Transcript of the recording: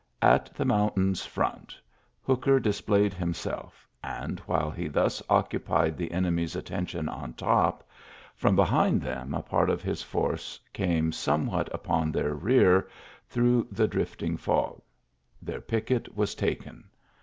At the mountain's front, Hooker displayed him self; and, while he thus occupied the enemy's attention on top, from behind them a part of his force came somewhat upon their rear through the drifting fog. Their picket was taken.